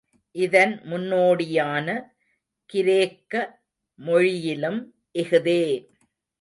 இதன் முன்னோடியான கிரேக்க மொழியிலும் இஃதே.